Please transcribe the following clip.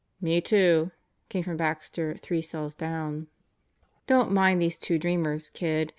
"Me too!" came from Baxter three cells down. "Don't mind these two dreamers, kid.